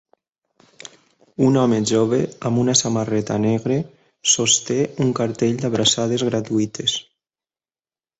Un home jove amb una samarreta negre sosté un cartell d'abraçades gratuïtes.